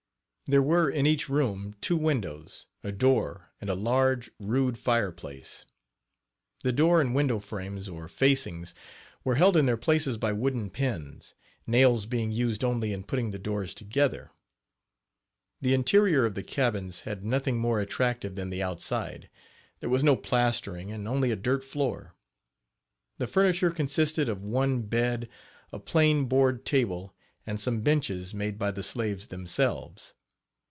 There were in each room two windows, a door and a large, rude fire place. The door and window frames, or facings, were held in their places by wooden pins, nails being used only in putting the doors together. The interior of the cabins had nothing more attractive than the outside there was no plastering and only a dirt floor. The furniture consisted of one bed, a plain board table and some benches made by the slaves themselves.